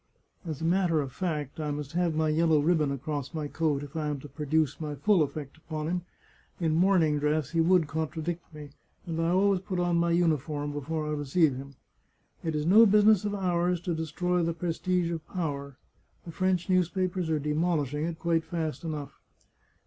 As a matter of fact, I must have my yel low ribbon across my coat if I am to produce my full effect upon him ; in morning dress he would contradict me, and I always put on my uniform before I receive him. It is no business of ours to destroy the prestige of power — the French newspapers are demolishing it quite fast enough.